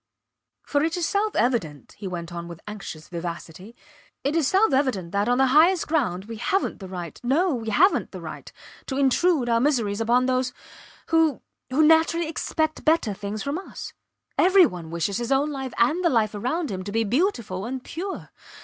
For it is self evident, he went on with anxious vivacity, it is self evident that, on the highest ground we havent the right no, we havent the right to intrude our miseries upon those who who naturally expect better things from us. Every one wishes his own life and the life around him to be beautiful and pure.